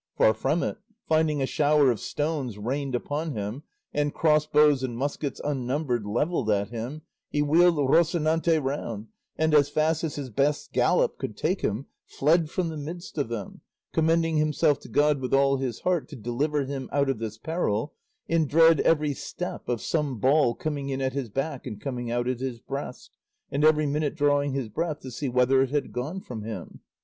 Far from it, finding a shower of stones rained upon him, and crossbows and muskets unnumbered levelled at him, he wheeled Rocinante round and, as fast as his best gallop could take him, fled from the midst of them, commending himself to God with all his heart to deliver him out of this peril, in dread every step of some ball coming in at his back and coming out at his breast, and every minute drawing his breath to see whether it had gone from him.